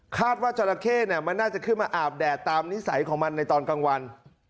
ว่าจราเข้มันน่าจะขึ้นมาอาบแดดตามนิสัยของมันในตอนกลางวัน